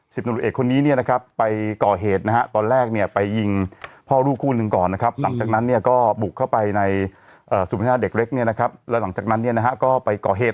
ตำรวจเอกคนนี้เนี่ยนะครับไปก่อเหตุนะฮะตอนแรกเนี่ยไปยิงพ่อลูกคู่หนึ่งก่อนนะครับหลังจากนั้นเนี่ยก็บุกเข้าไปในศูนย์พัฒนาเด็กเล็กเนี่ยนะครับแล้วหลังจากนั้นเนี่ยนะฮะก็ไปก่อเหตุ